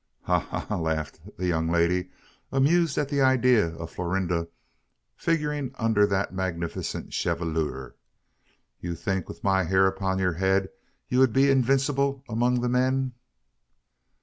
"Ha ha ha!" laughed the young lady, amused at the idea of Florinda figuring under that magnificent chevelure. "You think, with my hair upon your head, you would be invincible among the men?"